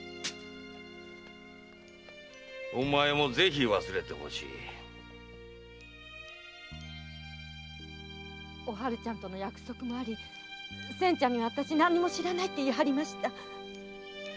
〔お前もぜひ忘れてほしい〕おはるちゃんとの約束で千ちゃんに私は何も知らないと言いました。